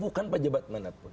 bukan pejabat manapun